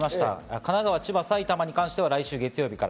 神奈川、千葉、埼玉に関しては来週月曜から。